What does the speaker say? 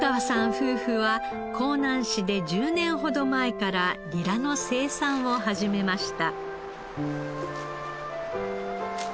夫婦は香南市で１０年ほど前からニラの生産を始めました。